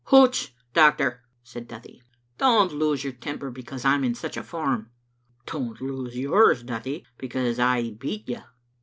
"Hoots, doctor," said Duthie, "don't lose your tem per because Fm in such form." "Don't lose yours, Duthie, because I aye beat you."